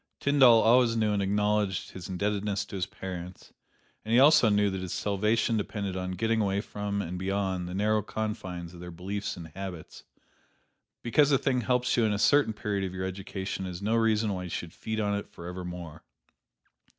Tyndall always knew and acknowledged his indebtedness to his parents, and he also knew that his salvation depended upon getting away from and beyond the narrow confines of their beliefs and habits. Because a thing helps you in a certain period of your education is no reason why you should feed upon it forevermore.